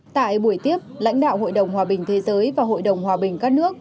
tại buổi tiếp lãnh đạo hội đồng hòa bình thế giới và hội đồng hòa bình các nước